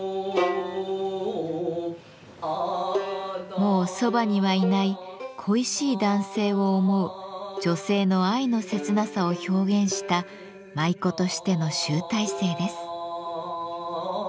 もうそばにはいない恋しい男性を思う女性の愛の切なさを表現した舞妓としての集大成です。